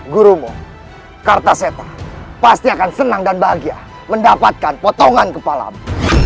gurumu kartaseta pasti akan senang dan bahagia mendapatkan potongan kepalamu